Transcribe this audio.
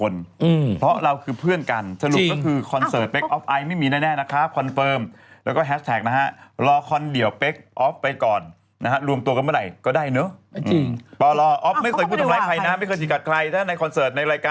แล้วทุกคนแม้ค้าครีมส่วนใหญ่ก็จะบอกโอ้โหรวยจากการขายครีม